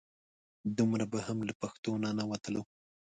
دومره به هم له پښتو نه نه وتلو.